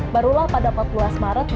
barulah pada empat maret